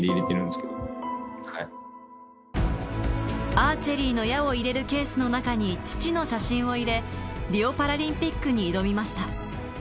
アーチェリーの矢を入れるケースの中に父の写真を入れ、リオパラリンピックに挑みました。